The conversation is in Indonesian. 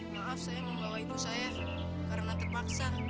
maaf saya membawa ibu saya karena terpaksa